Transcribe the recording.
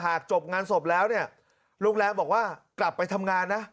จบงานศพแล้วเนี่ยโรงแรมบอกว่ากลับไปทำงานนะ